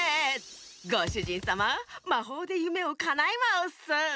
ごしゅじんさままほうでゆめをかなえまウッス！